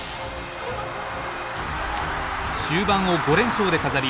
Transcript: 終盤を５連勝で飾り